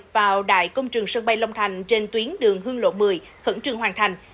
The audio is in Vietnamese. vào đại công trường sân bay long thành trên tuyến đường hương lộ một mươi khẩn trương hoàn thành